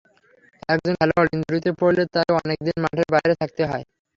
একজন খেলোয়াড় ইনজুরিতে পড়লে তাকে অনেক দিন মাঠের বাইরে থাকতে হয়।